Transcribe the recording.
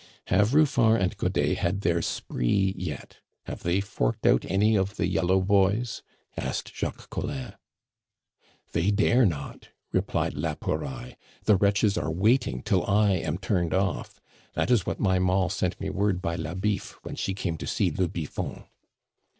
"Have Ruffard and Godet had their spree yet? Have they forked out any of the yellow boys?" asked Jacques Collin. "They dare not," replied la Pouraille. "The wretches are waiting till I am turned off. That is what my moll sent me word by la Biffe when she came to see le Biffon."